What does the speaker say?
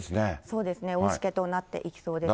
そうですね、大しけとなっていきそうですね。